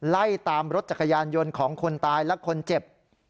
ไล่ตามรถจักรยานยนต์ของคนตายและคนเจ็บ